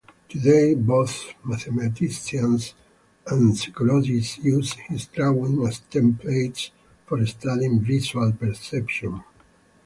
Today both mathematicians and psychologists use his drawings as templates for studying visual perception.